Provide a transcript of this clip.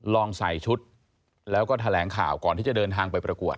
ลองใส่ชุดแล้วก็แถลงข่าวก่อนที่จะเดินทางไปประกวด